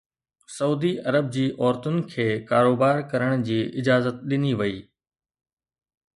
سعودي عرب جي عورتن کي ڪاروبار ڪرڻ جي اجازت ڏني وئي